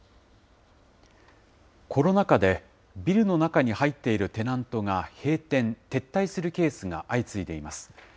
コロナ禍で、ビルの中に入っているテナントが閉店、撤退するケースが相次いでいます。